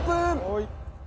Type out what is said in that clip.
はい。